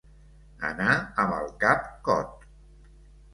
Anar amb el cap cot.